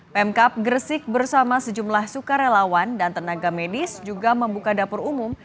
pemkap gresik bersama sejumlah sukarelawan dan tenaga medis juga membuka dapur umum